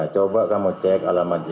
coba kamu cek alamatnya